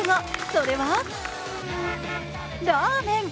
それは、ラーメン！